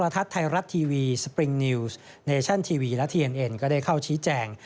ไทยรัฐทีวีสปริงนิวส์เนชั่นทีวีและทีเอ็นเอ็นก็ได้เข้าชี้แจง